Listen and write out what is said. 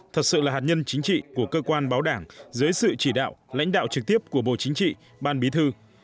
thật sự là hạt nhân chính trị của cơ quan báo đảng dưới sự chỉ đạo lãnh đạo trực tiếp của bộ chính trị ban bí thư